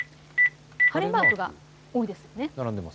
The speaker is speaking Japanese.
晴れマークが多いです。